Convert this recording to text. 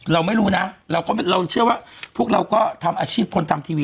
เราไม่รู้นะเราก็เราเชื่อว่าพวกเราก็ทำอาชีพคนทำทีวี